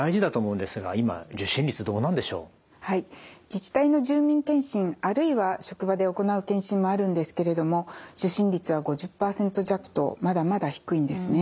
自治体の住民検診あるいは職場で行う検診もあるんですけれども受診率は５０％弱とまだまだ低いんですね。